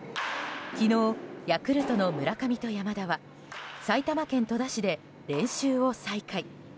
昨日、ヤクルトの村上と山田は埼玉県戸田市で練習を再開。